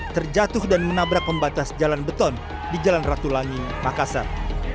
terjatuh dan menabrak pembatas jalan beton di jalan ratu langing makassar